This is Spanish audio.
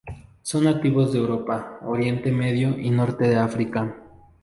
Son nativos de Europa, Oriente Medio y norte de África.